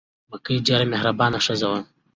مکۍ ډېره مهربانه ښځه وه.